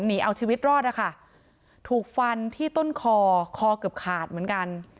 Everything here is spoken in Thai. หนีเอาชีวิตรอดนะคะถูกฟันที่ต้นคอคอเกือบขาดเหมือนกัน